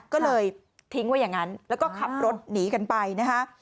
ก็เลยทิ้งไว้อย่างนั้นแล้วก็ขับรถหนีกันไปนะคะ